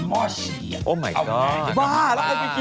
มาก